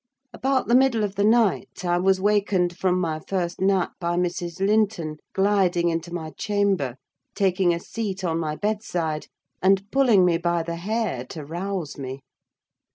About the middle of the night, I was wakened from my first nap by Mrs. Linton gliding into my chamber, taking a seat on my bedside, and pulling me by the hair to rouse me.